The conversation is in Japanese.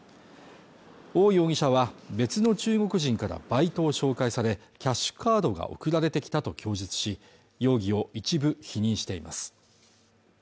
王容疑者は別の中国人からバイトを紹介されキャッシュカードが送られてきたと供述し容疑を一部否認しています